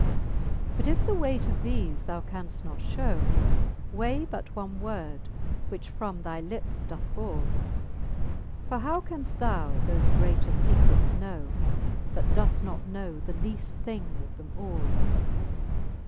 But if the weight of thefe thou canft not fliow. Weigh but one word, which from thy lips doth fall. For how canft thou thofe greater fecrets know. That doeft not know the leaft thing of them all